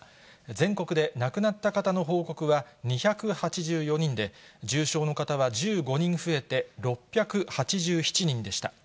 全国で亡くなった方の報告は２８４人で、重症の方は１５人増えて６８７人でした。